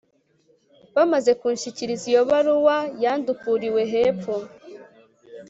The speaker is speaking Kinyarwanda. bamaze kunshyikiriza iyo baruwa yandukuriwe hepfo